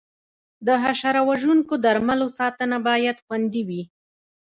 د حشره وژونکو درملو ساتنه باید خوندي وي.